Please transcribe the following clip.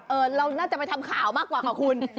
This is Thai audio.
เราน่าจะไปทำข่าวมากกว่าค่ะคุณ